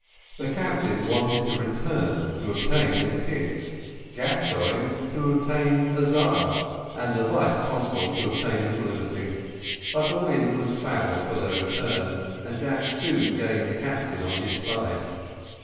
The captain wanted to return to obtain Miss Hicks, Gascoigne to obtain Azar, and the vice consul to obtain his liberty but the wind was foul for their return, and Jack soon gained the captain on his side.